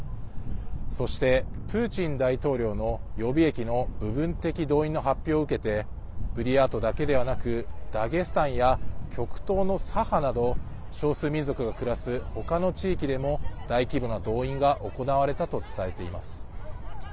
そして、プーチン大統領の予備役の部分的動員の発表を受けてブリヤートだけではなくダゲスタンや極東のサハなど少数民族が暮らす他の地域でも大規模な動員が行われたと伝えています。